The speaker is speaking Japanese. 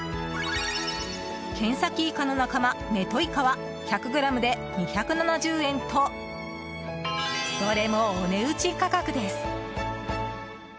ケンサキイカの仲間、メトイカは１００ｇで２７０円とどれもお値打ち価格です。